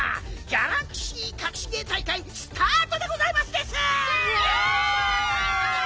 「ギャラクシーかくし芸大会」スタートでございますです！キャ！